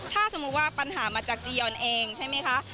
ถ้าสมมุติว่าปัญหามาจากจียอนเองใช่ไหมคะ